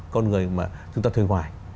con người mà chúng ta thuê ngoài